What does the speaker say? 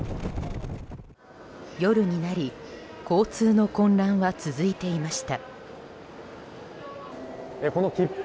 夜になり交通の混乱は続いていました。